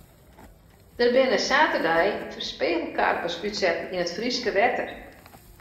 Der binne saterdei spegelkarpers útset yn it Fryske wetter.